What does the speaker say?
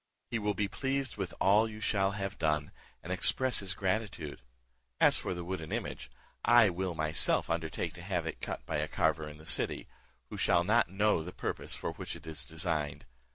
He will be pleased with all you shall have done, and express his gratitude. As for the wooden image, I will myself undertake to have it cut by a carver in the city, who shall not know the purpose for which it is designed.